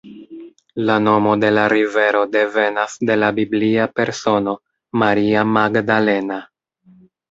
La nomo de la rivero devenas de la biblia persono Maria Magdalena.